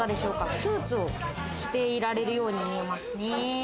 スーツを着ていられるように見えますね。